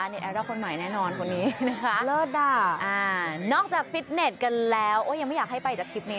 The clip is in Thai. นี่ไอดอลคนใหม่แน่นอนคนนี้นะคะเลิศอ่ะนอกจากฟิตเน็ตกันแล้วยังไม่อยากให้ไปจากคลิปนี้